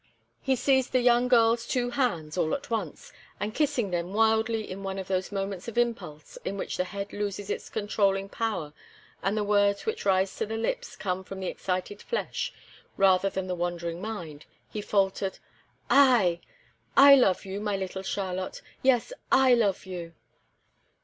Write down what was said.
He seized the young girl's two hands, all at once, and kissing them wildly in one of those moments of impulse in which the head loses its controlling power, and the words which rise to the lips come from the excited flesh rather than the wandering mind, he faltered: "I! I love you, my little Charlotte; yes, I love you!"